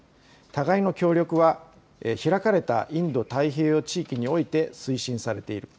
互いの協力は開かれたインド太平洋地域において推進されている。